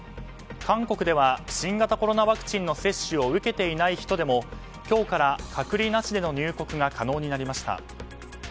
韓国では新型コロナワクチンの接種を受けていない人でも今日から隔離なしでの入国が可能になりました。